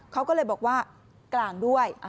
เขาก็เลยบอกว่ากลางด้วย